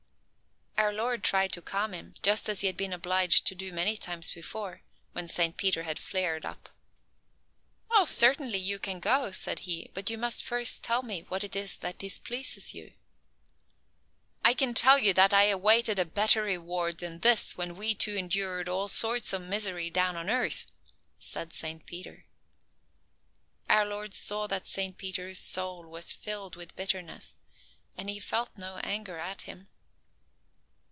Our Lord tried to calm him, just as He had been obliged to do many times before, when Saint Peter had flared up. "Oh, certainly you can go," said He, "but you must first tell me what it is that displeases you." "I can tell you that I awaited a better reward than this when we two endured all sorts of misery down on earth," said Saint Peter. Our Lord saw that Saint Peter's soul was filled with bitterness, and He felt no anger at him.